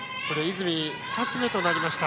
泉は指導２つ目となりました。